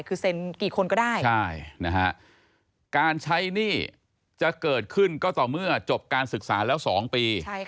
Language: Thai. คือเซ็นกี่คนก็ได้ใช่นะฮะการใช้หนี้จะเกิดขึ้นก็ต่อเมื่อจบการศึกษาแล้ว๒ปี